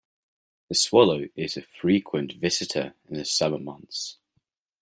The swallow is a frequent visitor in the summer months.